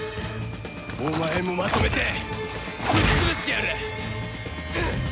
お前もまとめてぶっ潰してやる！